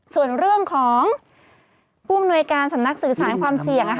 ส่วนเรื่องของผู้อำนวยการสำนักสื่อสารความเสี่ยง